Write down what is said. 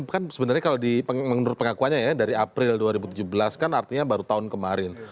kan sebenarnya kalau menurut pengakuannya ya dari april dua ribu tujuh belas kan artinya baru tahun kemarin